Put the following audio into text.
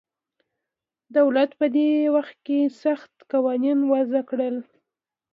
دولت په دې وخت کې سخت قوانین وضع کړل